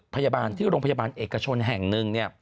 พยาบาลที่โรงพยาบาลเอกชนแห่งหนึ่ง